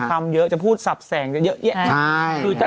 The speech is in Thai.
ทำเยอะจะพูดสับแสงจะเยอะแยะ